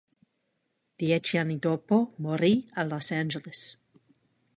Dieci anni dopo morì a Los Angeles.